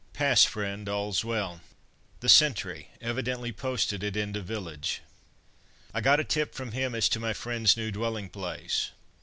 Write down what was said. "Pass, friend, all's well." The sentry, evidently posted at end of village. I got a tip from him as to my friend's new dwelling place.